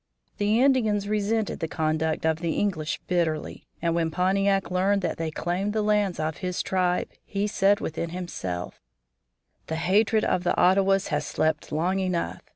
The Indians resented the conduct of the English bitterly, and when Pontiac learned that they claimed the lands of his tribe, he said within himself: "The hatred of the Ottawas has slept long enough.